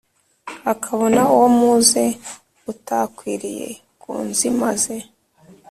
akabona uwo muze utakwiriye ku nzu imaze